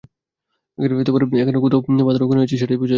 এখানে কোথাও পাথরের খনি আছে, সেটাই বুঝাচ্ছে।